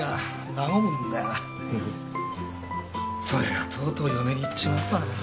それがとうとう嫁にいっちまうとはな。